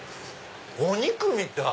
お肉みたい！